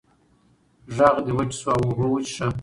غږ دې وچ شو اوبه وڅښه!